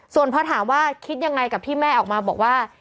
ส่วนพอถามว่าคิดยังไงกับที่แม่ออกมาบอกว่า